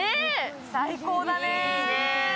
最高だね。